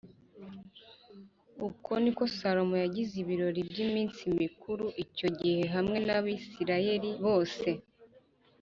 Uko ni ko Salomo yagize ibirori by’iminsi mikuru icyo gihe hamwe n’Abisirayeli bose